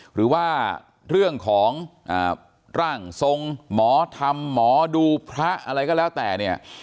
หรือว่าเรื่องของร่างทรงหมอธรรมหมอดูพระอะไรก็แล้วแต่เนี่ย